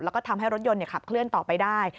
แล้วก็ทำให้รถยนต์ขับเคลื่อนต่อไปได้